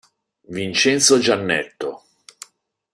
Vincenzo Giannetto".